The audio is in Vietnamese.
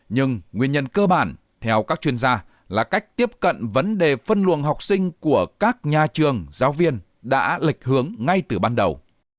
nhưng nguyên nhân cơ bản theo các chuyên gia là cách tiếp cận vấn đề phân luồng học sinh của các nhà trường giáo viên đã lịch hướng ngay từ ban đầu